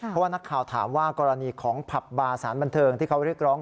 เพราะว่านักข่าวถามว่ากรณีของผับบาร์สารบันเทิงที่เขาเรียกร้อง